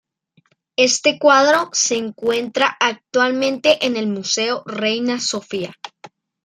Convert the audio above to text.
Este cuadro se encuentra actualmente en el museo Reina Sofía.